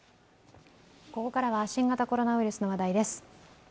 ここからは新型コロナウイルスの話題です。